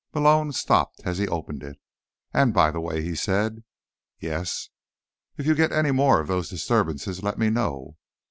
Malone stopped as he opened it. "And by the way," he said. "Yes?" "If you get any more of those disturbances, let me know."